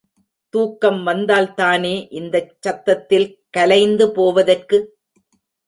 தூக்கம் வந்தால்தானே, இந்தச் சத்தத்தில் கலைந்து போவதற்கு?